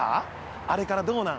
あれからどうなん？